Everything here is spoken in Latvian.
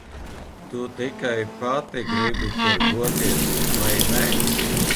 Tu tikai pati gribi tur doties, vai ne?